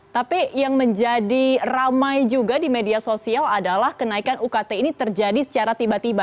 tapi yang menjadi ramai juga di media sosial adalah kenaikan ukt ini terjadi secara tiba tiba